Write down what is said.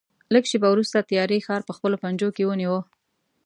لږ شېبه وروسته تیارې ښار په خپلو پنجو کې ونیو.